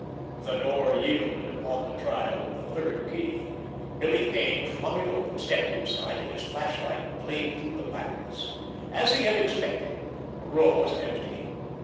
The door yielded upon the trial of the third key. Billy Kane flung it open, stepped inside, and his flashlight played through the blackness. As he had expected, the room was empty.